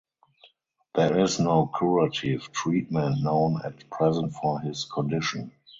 There is no curative treatment known at present for his condition.